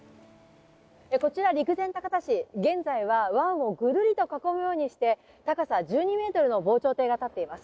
こちら陸前高田市、現在は湾をぐるりと囲むようにして高さ１２メートルの防潮堤が立っています。